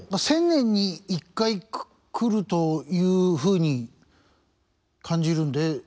１０００年に１回来るというふうに感じるんで。